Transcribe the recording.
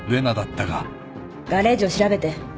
ガレージを調べて。